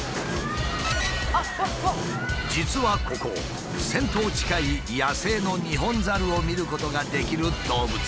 実はここ１，０００頭近い野生のニホンザルを見ることができる動物園。